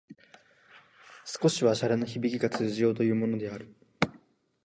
少しは洒落のひびきが通じようというものである